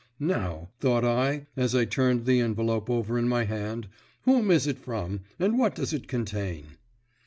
"Now," thought I, as I turned the envelope over in my hand, "whom is it from, and what does it contain?"